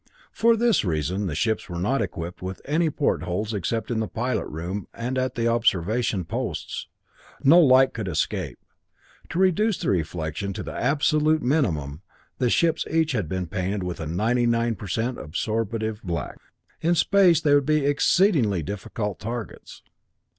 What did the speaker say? For this reason the ships were not equipped with any portholes except in the pilot room and at the observation posts. No light could escape. To reduce the reflection to the absolute minimum, the ships had each been painted with a 99% absorptive black. In space they would be exceedingly difficult targets.